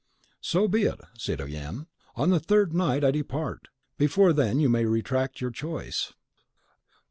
"Be it so, citoyenne; on the third night I depart. Before then you may retract your choice."